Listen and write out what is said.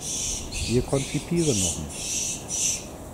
Wir konzipieren noch nicht.